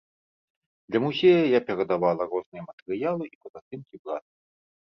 Для музея я перадавала розныя матэрыялы і фотаздымкі брата.